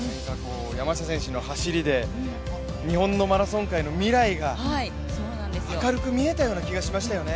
山下選手の走りで日本のマラソン界の未来が明るく見えたような気がしましたよね。